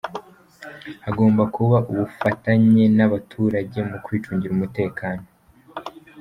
Hagomba kuba ubufatanye n’abaturage mu kwicungira umutekano.